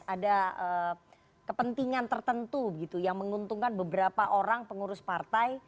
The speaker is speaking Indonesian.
ada kepentingan tertentu begitu yang menguntungkan beberapa orang pengurus partai